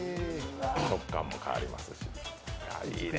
食感も変わりますし、いいね。